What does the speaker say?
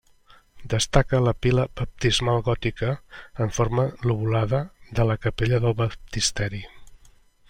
Destaca la pila baptismal gòtica, en forma lobulada, de la capella del baptisteri.